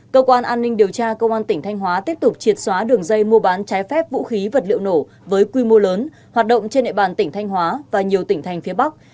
cơ quan an ninh điều tra công an tỉnh thanh hóa tiếp tục triệt xóa đường dây mua bán trái phép vũ khí vật liệu nổ với quy mô lớn hoạt động trên địa bàn tỉnh thanh hóa và nhiều tỉnh thành phía bắc